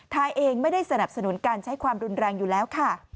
ไทยเองไม่ได้สนับสนุนการใช้ความรุนแรงอยู่แล้วค่ะ